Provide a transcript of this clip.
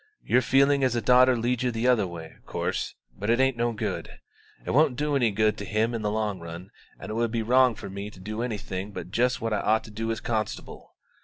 Your feeling as a daughter leads you the other way, of course; but it ain't no good it won't do any good to him in the long run, and it would be wrong for me to do anything but just what I ought to do as constable.